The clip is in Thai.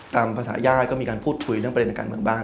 ตามภาษาญาติก็มีการพูดคุยเรื่องประเด็นทางการเมืองบ้าง